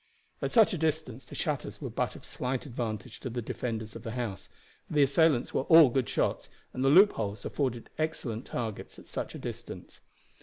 At such a distance the shutters were but of slight advantage to the defenders of the house; for the assailants were all good shots, and the loopholes afforded excellent targets at such a distance.